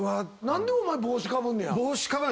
何でお前帽子かぶんねや？